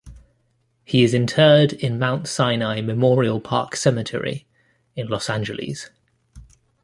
He is interred in Mount Sinai Memorial Park Cemetery in Los Angeles.